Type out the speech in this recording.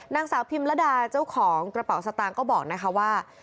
นางสาวพิมระดาเจ้าของกระเป๋าสตางค์ก็บอกนะคะว่า